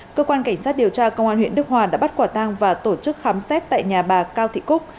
cơ quan cảnh sát điều tra công an huyện đức hòa đã bắt quả tang và tổ chức khám xét tại nhà bà cao thị cúc